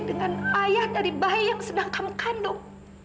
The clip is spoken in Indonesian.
dengan ayah dari bayi yang sedang kamu kandung